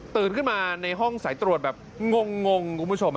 ขึ้นมาในห้องสายตรวจแบบงงคุณผู้ชม